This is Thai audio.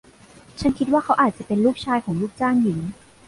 ฉันคิดว่าเขาอาจจะเป็นลูกชายของลูกจ้างหญิง